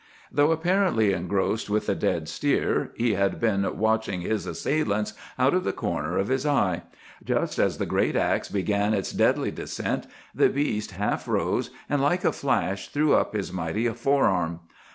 "Though apparently engrossed with the dead steer, he had been watching his assailants out of the corner of his eye. Just as the great axe began its deadly descent, the beast half rose, and like a flash threw up his mighty forearm.